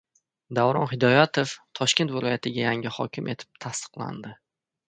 Davron Xidoyatov Toshkent viloyatiga yangi hokim etib tasdiqlandi